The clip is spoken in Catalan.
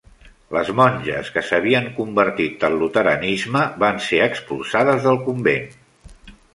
Les monges, que s'havien convertit al Luteranisme, van ser expulsades del convent.